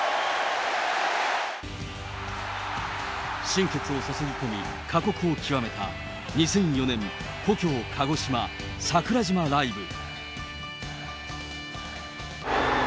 心血を注ぎ込み、過酷を極めた２００４年、故郷、鹿児島・桜島ライブ。